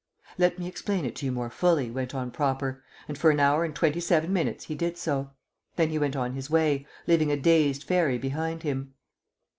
"Let me explain it to you more fully," went on Proper, and for an hour and twenty seven minutes he did so. Then he went on his way, leaving a dazed Fairy behind him.